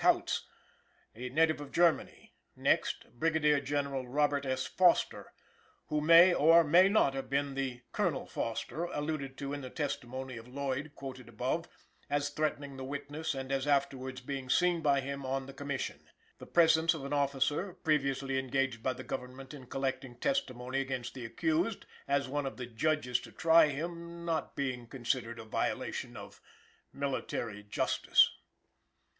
Kautz, a native of Germany; next, Brigadier General Robert S. Foster, who may or may not have been the "Colonel Foster" alluded to in the testimony of Lloyd quoted above, as threatening the witness and as afterwards being seen by him on the Commission the presence of an officer, previously engaged by the Government in collecting testimony against the accused, as one of the judges to try him not being considered a violation of Military Justice.